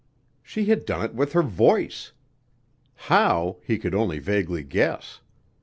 She had done it with her voice. How, he could only vaguely guess.